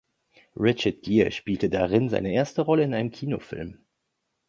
Richard Gere spielte darin seine erste Rolle in einem Kinofilm.